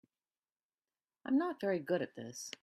I'm not very good at this.